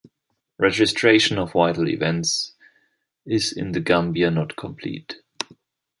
Registration of vital events is in the Gambia not complete.